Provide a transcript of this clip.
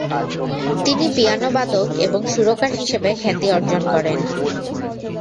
তিনি পিয়ানোবাদক এবং সুরকার হিসাবে খ্যাতি অর্জন করেন।